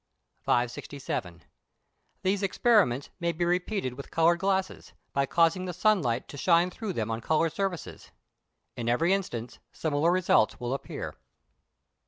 567. These experiments may be repeated with coloured glasses, by causing the sun light to shine through them on coloured surfaces. In every instance similar results will appear.